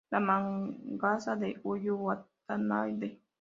La mangaka es Ayu Watanabe.